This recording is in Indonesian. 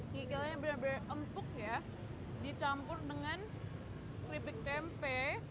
kikelnya benar benar empuk ya dicampur dengan kripik tempe